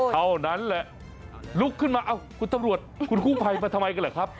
เท่านั้นแหละลุกขึ้นมาเอ้าคุณตำรวจคุณกู้ภัยมาทำไมกันเหรอครับ